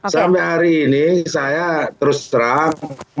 sampai hari ini saya terus terang